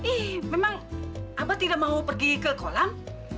ih memang apa tidak mau pergi ke kolam